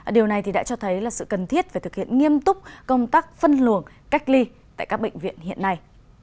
điều này đã cho thấy là sự cần thiết phải thực hiện nghiêm túc công tác phân luồng cách ly tại các bệnh viện hiện nay